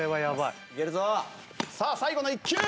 さあ最後の一球。